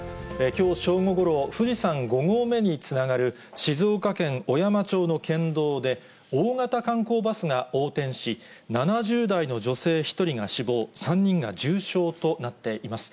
きょう正午ごろ、富士山５合目につながる静岡県小山町の県道で、大型観光バスが横転し、７０代の女性１人が死亡、３人が重傷となっています。